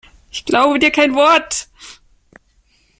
Ich glaub dir kein Wort!